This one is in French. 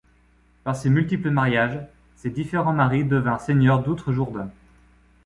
Par ses multiples mariages, ses différents maris devinrent seigneurs d'Outre-Jourdain.